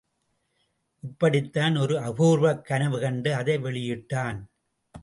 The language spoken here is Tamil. இப்படித்தான் ஒரு அபூர்வக் கனவு கண்டு அதை வெளியிட்டான்.